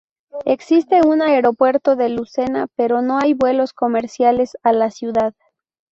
Existe un aeropuerto de Lucena, pero no hay vuelos comerciales a la ciudad.